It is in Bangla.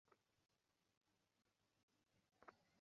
এখনো নেশা করে আছি।